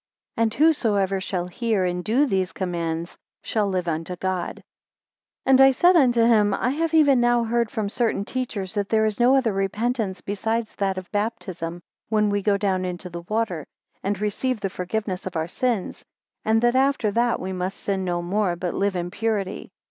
And whosoever shall hear and do these commands shall live unto God. 18 And I said unto him, I have even now heard from certain teachers, that there is no other repentance beside that of baptism, when we go down into the water, and receive the forgiveness of our sins; and that after that, we must sin no more, but live in purity.